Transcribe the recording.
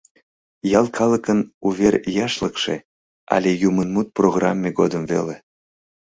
Ял калыкын «Увер яшлыкше» але юмынмут программе годым веле.